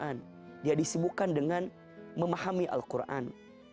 maka nanti dia disibukkan dengan memahami al quran